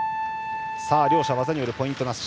両者、技によるポイントなし。